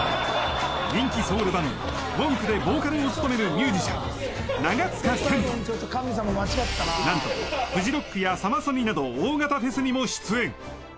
人気ソウルバンドＷＯＮＫでボーカルを務めるミュージシャンなんとフジロックやサマソニなど大型フェスにも出演